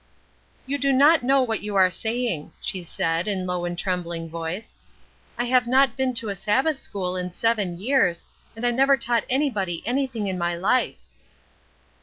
"You do not know what you are saying," she said, in low and trembling voice. "I have not been to a Sabbath school in seven years, and I never taught anybody anything in my life."